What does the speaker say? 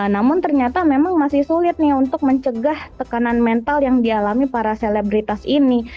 namun ternyata memang masih sulit nih untuk mencegah tekanan mental yang dialami para selebritas ini